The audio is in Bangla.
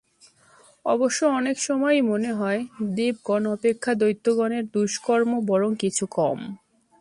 অবশ্য অনেক সময়ই মনে হয়, দেবগণ অপেক্ষা দৈত্যগণের দুষ্কর্ম বরং কিছু কম।